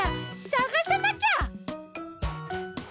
さがさなきゃ！